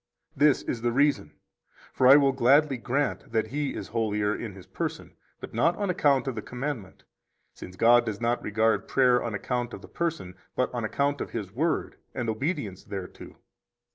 This is the reason: For I will gladly grant that he is holier in his person, but not on account of the commandment; since God does not regard prayer on account of the person, but on account of His word and obedience thereto.